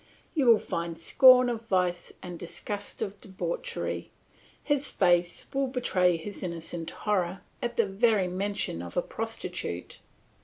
You will find scorn of vice and disgust for debauchery; his face will betray his innocent horror at the very mention of a prostitute.